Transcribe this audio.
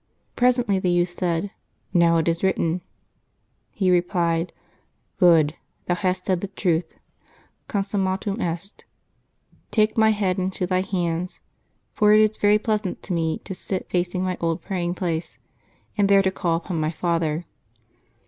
Presently the youth said, " Xow it is written." He replied, '' Good ! thou hast said the truth — consum matum est; take my head into thy hands, for it is very pleasant to me to sit facing my old praying place, and there to call upon my Father."